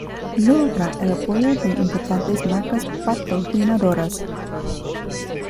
Logra el apoyo de importantes marcas patrocinadoras.